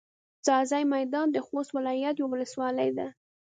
ځاځي میدان د خوست ولایت یوه ولسوالي ده.